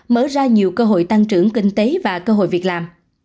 mở ra nhiều cơ hội tăng trưởng kinh tế và cơ hội việc làm